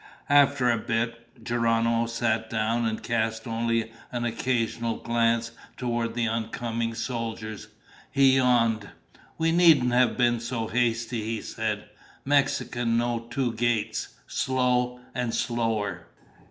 After a bit, Geronimo sat down and cast only an occasional glance toward the oncoming soldiers. He yawned. "We needn't have been so hasty," he said. "Mexicans know two gaits, slow and slower."